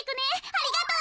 ありがとう。